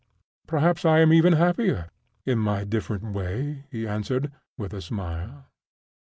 "Perhaps I am even happier, in my different way," he answered, with a smile.